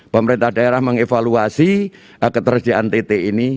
pemerintah daerah mengevaluasi ketersediaan tt ini